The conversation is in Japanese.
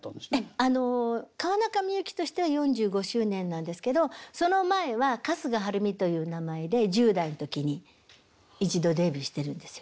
あの川中美幸としては４５周年なんですけどその前は「春日はるみ」という名前で１０代の時に一度デビューしてるんですよ。